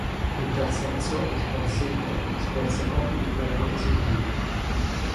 In tal senso il "Consejo" svolse compiti puramente esecutivi.